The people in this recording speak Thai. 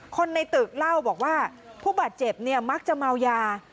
คนในตึกเล่าบอกว่าผู้บาดเจ็บเนี่ยมักจะเมายา